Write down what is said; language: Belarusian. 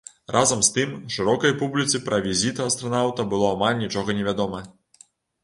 Разам з тым, шырокай публіцы пра візіт астранаўта было амаль нічога невядома.